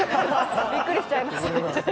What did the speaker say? びっくりしちゃいます。